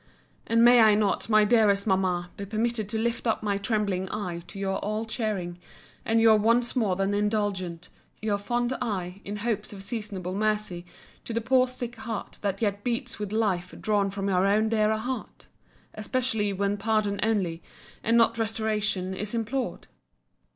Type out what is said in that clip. —'And may I not, my dearest Mamma, be permitted to lift up my trembling eye to your all cheering, and your once more than indulgent, your fond eye, in hopes of seasonable mercy to the poor sick heart that yet beats with life drawn from your own dearer heart?—Especially when pardon only, and not restoration, is implored?